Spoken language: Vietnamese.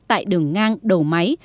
tại đường ngang đầu máy